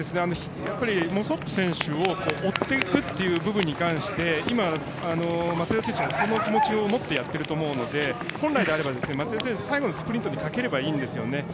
モソップ選手を追っていくっていう部分に関して今、松枝選手がその気持ちを持ってやってると思うので本来だったら松枝選手最後のスプリントにかければいいんですよね